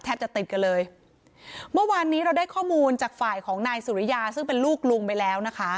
จะติดกันเลยเมื่อวานนี้เราได้ข้อมูลจากฝ่ายของนายสุริยาซึ่งเป็นลูกลุงไปแล้วนะคะ